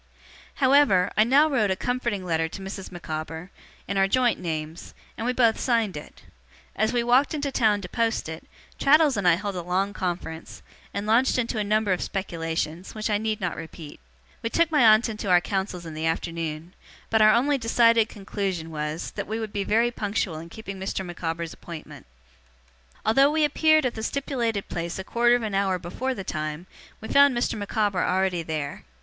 However, I now wrote a comforting letter to Mrs. Micawber, in our joint names, and we both signed it. As we walked into town to post it, Traddles and I held a long conference, and launched into a number of speculations, which I need not repeat. We took my aunt into our counsels in the afternoon; but our only decided conclusion was, that we would be very punctual in keeping Mr. Micawber's appointment. Although we appeared at the stipulated place a quarter of an hour before the time, we found Mr. Micawber already there.